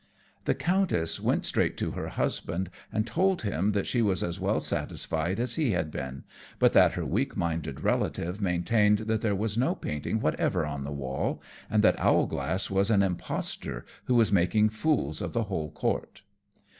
The Countess went straight to her husband, and told him that she was as well satisfied as he had been; but that her weak minded relative maintained that there was no painting whatever on the wall, and that Owlglass was an impostor who was making fools of the whole Court.